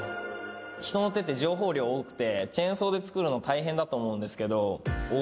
人の手って情報量多くてチェーンソーで作るの大変だと思うんですけど。